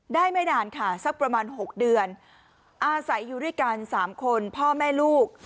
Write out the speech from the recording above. ไม่นานค่ะสักประมาณ๖เดือนอาศัยอยู่ด้วยกัน๓คนพ่อแม่ลูก